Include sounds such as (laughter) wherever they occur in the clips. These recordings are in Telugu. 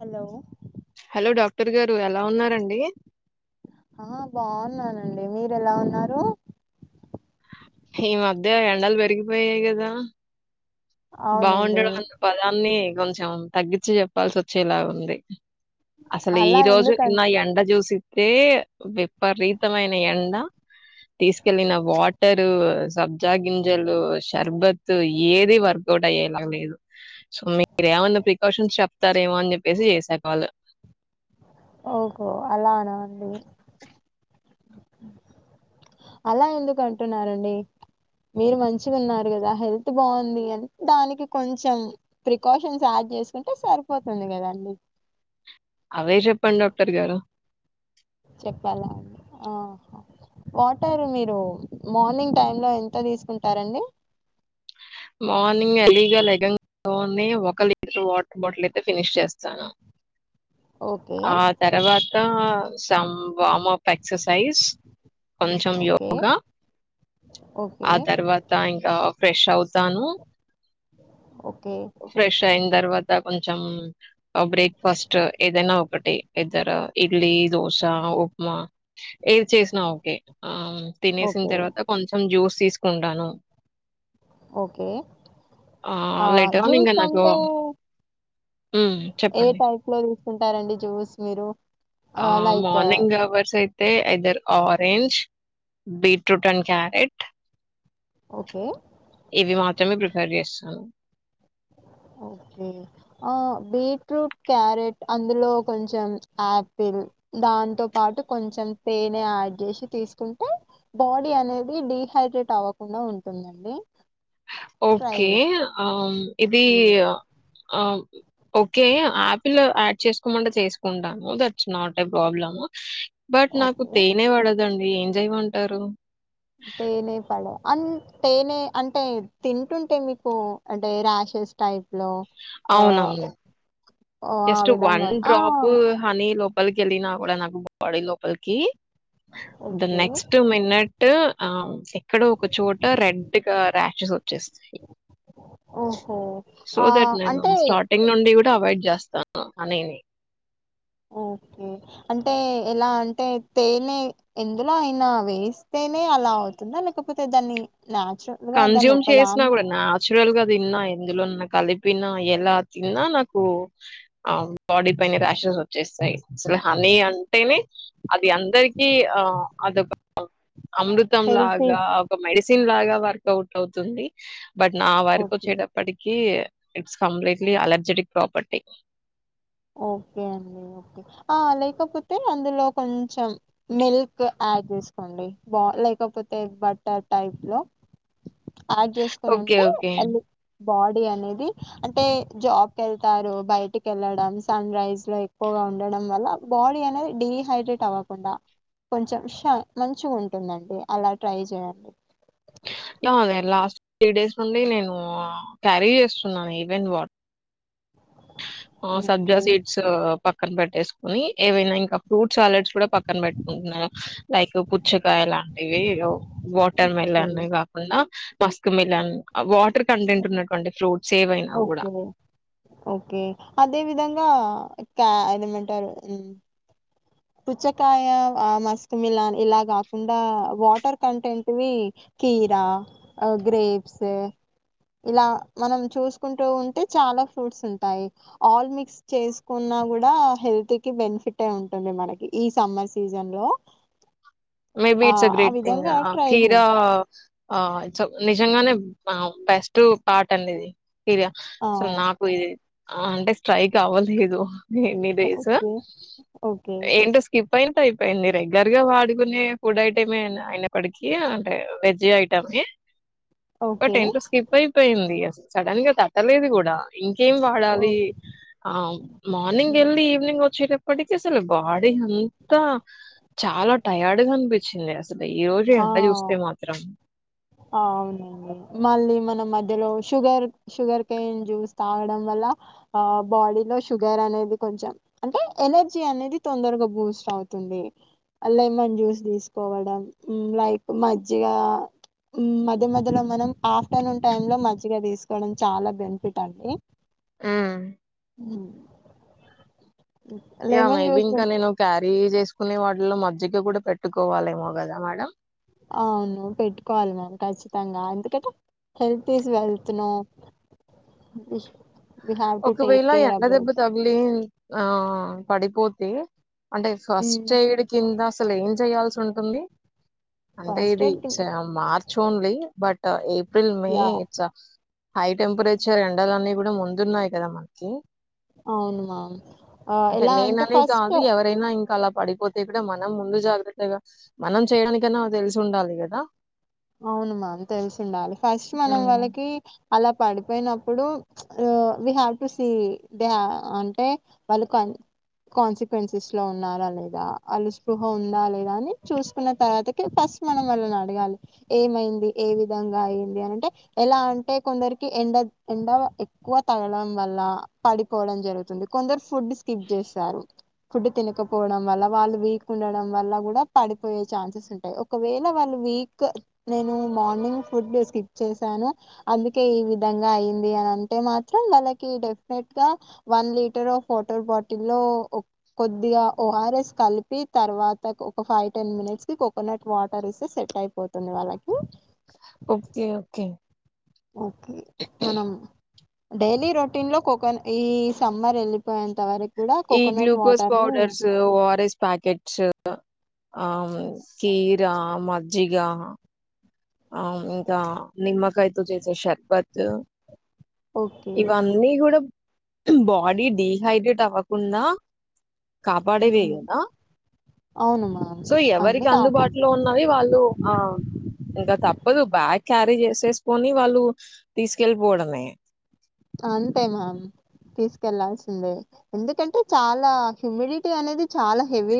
హలో హలో డాక్టర్ గారు ఎలా ఉన్నారండి ఆ బాగున్నానండి మీరు ఎలా ఉన్నారు ఈ మధ్య ఎండలు పెరిగిపోయాయి కదా అవునండి బాగుండడం అన్న పదాన్ని కొంచం తగ్గించి చెప్పాల్సి వచ్చేలా ఉంది అసలు ఈ అలా రోజు ఎందుకం నిన్న ఎండ చూసి తే విపరీతమైన ఎండ తీసుకెళ్లిన వాటరు సబ్జా గింజలు షర్బత్ ఏది వర్ కోటయ్యేలా లేదు సో మీరు ఏమైన్నా ప్రికాషన్స్ చెప్తారేమో అని చెప్పేసి చేసా కాల్ ఓహో అలానా అండి అలా ఎందుకు అంటున్నారండి మీరు మంచిగా ఉన్నారు కదా హెల్త్ బాగుంది అని దానికి కొంచం ప్రికాషన్స్ యాడ్ చేసుకుంటే సరిపోతుంది కదా అన్నీ అవే చెప్పండి డాక్టర్ గారు చెప్పాలా ఆ వాటర్ మీరు మార్నింగ్ టైమ్ లో ఎంత తీసుకుంటారండి మార్నింగ్ ఎర్లీ గా లెగగానే ఒక లీటర్ వాటర్ బాటిల్ అయితే ఫినిష్ చేస్తాను ఓకే ఆ తర్వాత సామ్ వామ్ అప్ ఎక్ససైజ్ కొంచం ఓకే యోగా ఓకే ఆ తర్వాత ఇంకా ఫ్రెష్ అవు తాను ఓ ఫ్రెష్ అయిం తర్వాత కొంచం బ్రేక్ఫాస్ట్ ఏదైనా ఒకటి ఎదర్ ఇడ్లీ దో స ఉప్మా ఏది చేసినా ఓకే ఆ తినేసిన ఓకే తర్వాత కొంచం జ్యూస్ తీసుకుంటాను ఓకే ఆ లేటర్ ఆన్ ఇంకా జ్యూస్ నాకు అంటే మ్మ్ ఏ చెప్పండి టైప్ లో తీస్ కుంటారండి జ్యూస్ మీరు ఆ లైక్ ఆ, మార్నింగ్ అవర్స్ అయి తే either orange beetroot and carrot okay ఇవి మాత్రమే ప్రిఫేర్ చేస్తాను ఆ బీట్రూట్ క్యారెట్ అందులో కొంచెం ఆపిల్ దా దాంతో పాటు కొంచెం తేనె యాడ్ చేసి తీసుకుంటే బాడీ అనేది డిహైడ్రేట్ అవ్వకుండా ఉంటుందండి హ ట్రై ఓకే చేయండి ఆమ్ ఇదీ ఓకే అ ఆమ్ ఓకే ఆపిల్ యాడ్ చేసుకోమంటే చేసుకుంటాను that's not a problem but నాకు ఓకే తేనె వడదండి ఏం జేయమంటారు తేనె పడ అన్ తేనె అంటే తింటుంటే మీకూ అంటే రాశ్ చేస్ టైప్ లో ఆ ఆ ఎస్ట్ వన్ విధంగా ఆ డ్రాప్ హనీ లోపల్కి ఎళ్లినా గూడా నాకు బాడి లోపలికిి ద ఓకే నెక్స్ట్ మినట్ ఆ ఎక్కడో ఒక చోట రెడ్ గా ర్యాషెస్ వచ్చేస్ ఓహో సో ఆ దట్ నేను అంటే స్టార్టింగ్ నుండి ఉ ట అవాయిడ్ చేస్తాను అనీ హు అంటే ఎలా అంటే తేనే ఎందులో అయినా వేస్తేనే అలా అవుతుందా లేకపోతే దాన్ని నాచురల్ గా దాన్ని కన్జ్యూమ్ చేసినా ఒకదాని గూడా నాచురల్ గా దిన్నా ఎందులోన్న కలి పినా ఎలా తిన్నా నాకు ఆ బాడీ పైన ర్యాషెస్ వచ్చేస్తాయి అసలు హన్ నీ అంటేనే అది అందరికీ ఆ అదొక అమృతం హెల్తీ లాగా ఒక మెడిసిన్ లాగా వర్క్ ఓట్ అవుతుంది బట్ నా వరకు ఓకే ఒచ్చటప్పటికీ ఇట్స్ కంప్లీట్లీ అలర్జెటిక్ ప్రాపర్టీ ఓకే అండి ఓకె లేకపోతే అందులో కొంచెం మిల్క్ అ ఆడ్ చేసుకోండి బా లేకపోతే బట్టర్ టైప్ లో ఆడ్ చేసుకొని ఓకే. ఉంటే ఓకే. అళ్ళు బాడీ అనేది అంటే జాబ్ కెళ్తారు బయటికెళ్ళడం సన్ రైజ్ లో ఎక్కువగా ఉండడం వల్ల బాడీ అనేది డిహైడ్రేట్ అవ్వకుండా కొంచెం ష మంచిగ ఉంటుందండి అలా ట్రై చేయండి ఆ అదే లాస్ట్ త్రీ డేస్ నుండీ నేను క్యారీ చేస్తున్నాను ఈవెంట్ వాట్ ఆ సబ్జా ఓకే సీడ్స్ పక్కన పెట్టేసుకుని ఏవైనా ఇంకా ఫ్రూట్ చాలెట్స్ కూడా పక్కన పెట్టుకుంట్న్నా లైక్ పుచ్చకాయ లాంటివి ఓ వాటర్ సరే మిలానే కాకుండా మస్క్ మిలాన్ వాటర్ కంటెంట్ ఉన్నటువంటి ఫ్రూట్ ఓకే ఓకే అదే విధంగా క్యా అదేమంటారు ఉ పుచ్చకాయ ఆ మస్కమిలాన్ ఇలా కాకుండా వాటర్ కంటెంట్వీ కీరా అ గ్రేప్స్ ఇలా మనం చూసుకుంటూ ఉంటే చాలా ఫ్రూట్స్ ఉంటాయి ఆల్ మిక్స్ చేసుకున్న నా గూడా హెల్త్ కి బెనిఫిటే ఉంటుంది మనకి ఈ సమ్మర్ సీజన్ లో maybe it's a great thing అ ట్రై జే కీరా ఆ ఇట్స్ నిజంగానే ఆ బెస్ట్ పార్ట్ అండి ఇది కీరియా ఆ! సో నాకు ఇది అ అంటే స్ట్రైక్ అవ్వలేదు ఎన్ని డేస్ ఓకే. ఓకే. ఏంటో స్కిప్ అయిన అయిపోయింది రెగ్యులర్ గా వాడి కొనే ఫుడ్ ఐటమే అయిన అయినప్పటికీ అంటే వెజ్ ఐటం ని బట్ ఓకే. ఏంటో స్కిప్ అయిపోయింది అస సడన్ గా తట్టలేదు కూడా ఇంకేం వాడాలి ఓకే. ఆ మార్నింగ్ ఎళ్ళి ఈవినింగ్ వచ్చేట పటిక్ అసల్ బాడి అంతా చ్చింది అసలు ఈ రోజు ఎండ జూస్తే మాత్రం అవును మళ్ళీ మన మధ్యలో షుగర్ షుగర్ కేన్ జ్యూస్ తాగడం వల్ల న ఆ బాడీ లో షుగర్ అనేది కొంచెం అంటే ఎనర్జీ అనేది తొందరగా బూస్ట్ అవు తుంది అల్ల ఏమన జ్యూస్ తీసుకోవడం లైక్ మజ్జిగా మధ్య మధ్యలో మనం ఆఫ్టర్నూన్ టైమ్ లో మజ్జిక తీసుకోవడం చాలా బెనిఫిట్ అండి, ఆ ఉ మై బిన్ కనేను క్యార ఏవి చేసుకునే వాటిలో మజ్జిక కూడా పెట్టుకోవాలేమో కదా మేడం, అవును పెట్టుకోవాలి మనం ఖచ్చితంగా ఎందుకట హెల్త్ ఇస్ వెల్ నుో ఒకవేళ ఎండ దెబ్బ తగిలి ఆ పడిపోతే అంటే ఫస్ట్ ఎయిడ్ కింద అసలు ఏం చేయాల్సి ఉంటుంది అంటే ఫస్ట్ ఇది ఎయిడ్ మార్చ చూడండి but April May yeah it's high temperature ఎండాలన్న, కూడా ముందున్నాయి కదా మనకి అవును మ్యామ్ అంటే ఎలా నేననే ఫస్ట్ కాదు ఎవరైనా ఇంకా అలా పడిపోతే కూడా మనం ముందు జాగ్రత్తగా మనం చేయనికైనా తెలిసి ఉండాలి, కదా అవును మామ్ తెలిసు ఉండాలి ఫస్ట్ మనం హ్మ్ వాళ్ళకి అలా పడిపోయినప్పుడు we have to see the అంటే వాళ్ళు కన్ కాన్సిక్వెన్సెస్ లో ఉన్నారా లేదా అలు స్పృహ ఉందా లేదా అని చూసుకున్న, తర్వాతకి ఫస్ట్ ఫాస్ట్ మనం వాళ్లని అడగాలి, ఏమైంది ఏ విధంగా అయింది అనంటే ఎలా అంటే కొందరికి ఎండ ఎండ ఎక్కువ, తగడం వల్ల పడిపోవడం జరుగుతుంది, కొందరు ఫుడ్ స్కిప్ చేస్తారు, ఫుడ్ తినకపో వల్ల వాళ్ళు వీక్ ఉండడం వల్ల కూడా పడిపోయే ఛాన్సెస్ ఉంటాయి, ఒకవేళ వాళ్ళు వీక్ నేను మార్నింగ్ ఫుడ్ స్కిప్ చేశాను, అందుకే ఈ విధంగా అయింది అని అంటే మాత్రం, వాళ్ళకి డెఫెట్ గా one litre of water bottle లో కొద్దిగా ఒ ఆర్ ఎస్ కలిపి తర్వాత ఒక ఫైవ్ టెన్ మినిట్స్ కి కోకోనట్ వాటర్ ఇస్తే సెట్ అయిపోతుంది. ట్ వాళ్లకి ఓకే ఓకే ఓకే మనం డైలీ రొటీన్ లో కోకో ఈ సమ్మర్ వెళ్ళిపోయంత వరకు కూడా ఈ కోకోనట్ గ్లూకోస్ వాటర్ ని పౌడర్స్, ఓఆర్ఎస్ ప్యాకెట్స్ ఆ కీరా, మజ్జిగ ఆ ఇంకా నిమ్మకాయతో చేసే షర్బత్ ఓకే ఇవన్నీ కూడా బాడీ డిహైడ్రేట్ అవ్వకుండా కాపాడేవే ఉమ్, కదా అవును మ్యామ్ సో ఎవరికి అన్ని కాపాడు అందుబాటులో ఉన్నది వాళ్ళు ఆ ఇంకా తప్పదు బ్యాక్, క్యారీ చేసేసుకొని వాళ్ళు తీసుకెళ్ళిపోవడమె అంతే మ్యామ్ తీసుకెళ్లాాల్సిందే ఎందుకంటే చాలా ఇమ్యూనిటీ అనేది చాలా హెవీ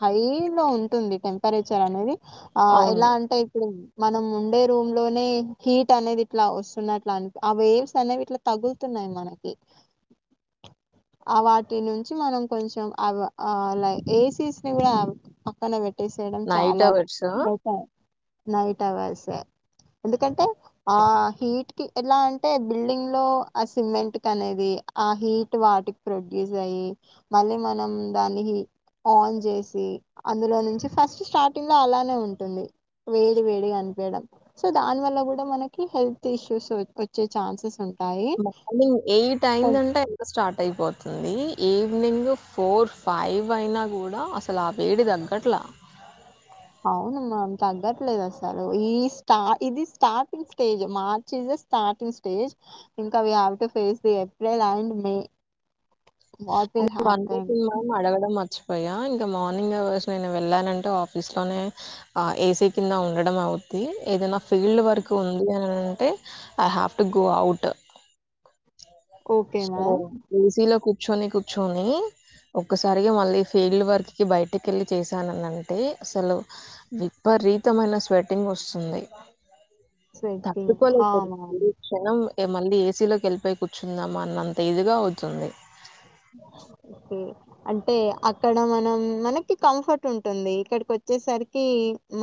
హై లో ఉంటుంది టెంపరేచర్ అనేది ఆ అవును. ఎలా అంటే ఇప్పుడు మనం ఉండే రూమ్ లోనే హీట్ అనేది ఇట్లా వస్తున్నట్ల అని ఆ వేయిమ్స్ అనేవి ఇట్లా, తగులుతున్నాయి మనకి (unintelligible) ఆ వాటి నుంచి మనం కొంచెం అ ఏసీ సినీ కూడా పక్కన పెట్ట, వేసేయడం నైట్ చాలా అవర్స్ బెట నైట్ అవర్స్ ఎందుకంటే ఆ హీట్ కి ఎలా అంటే బిల్డింగ్ లో ఆ సిమెంట్ కి అనేవి ఆ హీట్ వాటికి ప్రొడ్యూస్ అయ్యి మళ్ళీ మనం దాని హి ఆన్ చేసి అందులో నుంచి ఫస్ట్ స్టార్టింగ్ లో అలానే ఉంటుంది, వేడి వేడి అని సో దాని వల్ల కూడా మనకి హెల్త్ ఇష్యూస్ వచ్చే చాన్సెస్ ఉంటా మార్నింగ్ ఎయిట్ అయిందంటే ఎండ స్టార్ట్ అయిపోతుంది. ఈవినింగ్ ఫోర్ ఫైవ్ అయినా కూడా అసలు ఆ వేడి తగ్గట్లా, అవునుమ్మా తగ్గట్లేదు అసలు ఈ స్టా ఇది స్టార్టింగ్ స్టేజ్ మార్చిస్ స్టార్టింగ్ స్టేజ్ ఇంకా we have to face April and May what ఆ విల్ ఒకటి హ్యాపెన్ అనుకుంటున్న కానీ అడగడం మర్చిపోతున పోయా ఇంకా మార్నింగ్ అవర్స్ నేను వెళ్ళానంటే ఆఫీస్లోనే ఆ ఏసీ కింద ఉండడం అవు ది ఏదైనా ఫీల్డ్ వర్క్ ఉంది అని అంటే I have to go out okay so ma'am. ఏసీలో కూర్చొని కూర్చొని ఒక్కసారిగా మళ్ళీ ఫీల్డ్ వర్క్కి బయటకి వెళ్ళి చేశానని అంటే అసలు విపత్ రీతమైన స్వెట్టింగ్ వస్తుంది స్వెట్టింగ్. హా! తట్టుకోలేపో మ్యామ్. ప్రతి క్షణం ఇగా మళ్ళీ ఏసీలోకి వెళ్ళిపోయి కూర్చుందామా అన్నంత ఇదిగా అవుతుంది ఉమ్ అంటే అక్కడ మనం మనకి కంఫర్ట్ ఉంటుంది ఇక్కడికి వచ్చేసరికి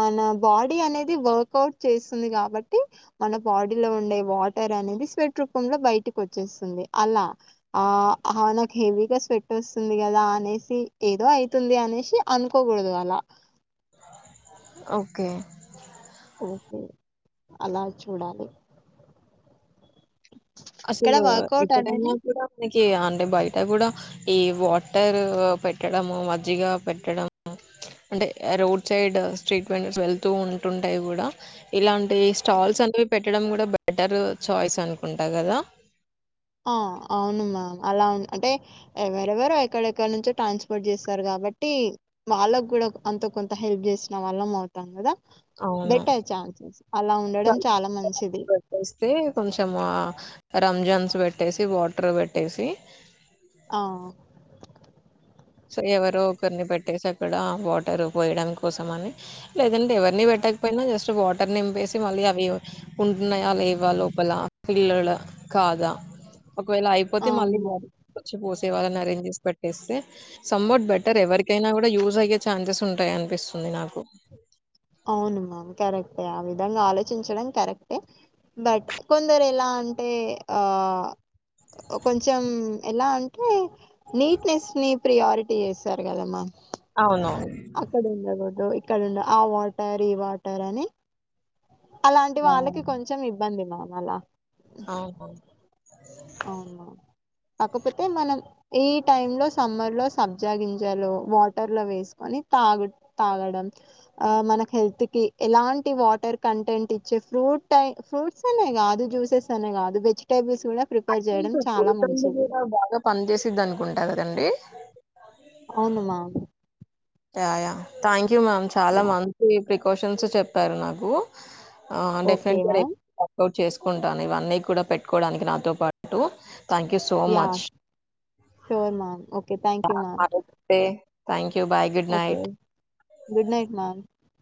మన బాడీ అనేది వర్క్ ఔట్ చేస్తుంది కాబట్టి మన బాడీలో ఉండే వాటర్ అనేది సెవ్ట్ ఇట్రోకుండ బయటికి వచ్చేస్తుంది అలా ఆ హెవీగా స్వెట్ వస్తుంది కదా అనేసి ఏదో అయితుంది అనేసి అనుకోకూడదు అలా ఓకే ఓకే అలా చూడాలి ఇక్కడ అసలు వర్కౌట్ ఇప్పుడైనా అనేది కూడా టైమ్ ఒకే అంటే బయట కూడా ఈ వాటర్ పెట్టడం మజ్జిగ పెట్టడం అంటే రోడ్ సైడ్ స్ట్రీట్మెంట్స్ వెళ్తూ ఉంటుంటాయి కూడా ఇలాంటి ఈ స్టాల్స్ అనేవి పెట్టడం కూడా బెటర్ చాయిస్ అనుకుంటా కదా ఆ అవునుమా అలా ఉ అంటే ఎవరెవరు ఎక్కడెక్కడ నుంచో ట్రాన్స్పోర్ట్ చేస్తారు కాబట్టి వాళ్ళకు కూడా లైక్ అంత కొంత హెల్ప్ చేసిన వాళ్ళం అవుతాం కదా అవును. బెటర్ ఛాన్సెస్ అలా ఉండడం చాలా మంచిది రంజన్స్ పెట్టేసి వాటర్ పెట్టేసి ఆ సో ఎవరో ఒకరిని పెట్టేసి అక్కడ వాటర్ పోయడం కోసం అని లేదంటే ఎవరిని పెట్ పేట్టకపోయినా జస్ట్ వాటర్ నింపేసి మళ్ళీ అవి ఉంటున్నాయ లేవా లోపల పిల్లలు కాదా ఒకవేళ అయిపోతే అవును మళ్ళీ మ్యామ్. వచ్చి పోసే వాళ్ళని అరేంజ్ చేసి పెట్టేస్తే సామ్ హౌ బెటర్ ఎవరికైనా కూడా యూజ్ అయ్యే ఛాన్సెస్ ఉంటాయి అనిపిస్తుంది నాకు అవును మ్యామ్ కరెక్టే ఆ విధంగా ఆలోచించడం కరెక్టే బట్ కొందరు ఎలా అంటే ఆ కొంచెం ఎలా అంటే నీట్నెస్ ని ప్రియారిటీ చేస్తారు కదమ్మా అవును ఇక్కడ ఉండ ఆ వాటర్ ఈ వాటర్ అని అలాంటి ఆ! వాళ్ళకి కొంచెం ఇబ్బంది మమ్ అలా అవునా అవును మ్యామ్ కాకపోతే మనం ఈ టై లో సమ్మర్ లో సబ్జా గింజాలు వాటర్ లో వేసు అని తాగు తాగడం ఆ మన హెల్త్ కి ఎలాంటి వాటర్ కంటెంట్ ఇచ్చే ఫ్రూట్టై ఫ్రూట్స్ అనేగా కి జ్యూసెస్ అనే అదు వెజిటేబల్స్ అసలు కూడా బాగా పని చేసిది అనుకుంటా కదండి అవును ma'am yeah yeah thank you ma'am చాలా యా మంచి ప్రికాషన్స్ చెప్పారు నాకు ఆ ఓకే డెఫినెట్ గా ర మ్యామ్ వర్క్ౌట్ చేసుకుంటాను ఇవన్నీ కూడా పెట్టుకోవడానికి నాతో పాటు thank you so yeah much sure ma'am okay thank yeah you ma'am have a good day thank you bye okay good night ma'am